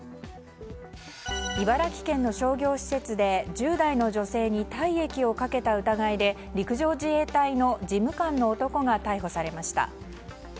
茨城県の商業施設で１０代の女性に体液をかけた疑いで陸上自衛隊の事務官の男が逮捕されました。